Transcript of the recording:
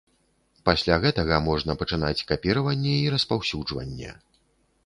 Пасля гэтага можна пачынаць капіраванне і распаўсюджванне.